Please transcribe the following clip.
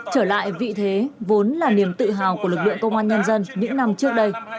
trở lại vị thế vốn là niềm tự hào của lực lượng công an nhân dân những năm trước đây